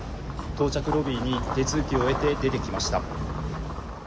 到着ロビーに手続きを終えて出てきました。